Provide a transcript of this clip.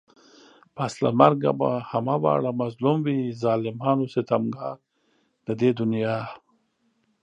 پس له مرگه به همه واړه مظلوم وي ظالمان و ستمگار د دې دنيا